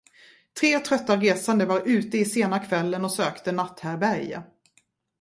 Tre trötta resande var ute i sena kvällen och sökte natthärbärge.